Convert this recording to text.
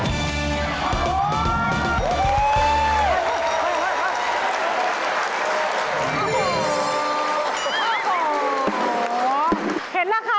ราคาอยู่ที่เทพาะไหนคะวันหน้า